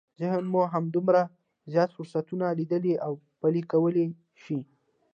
ذهن مو همدومره زیات فرصتونه ليدلی او پلي کولای شي.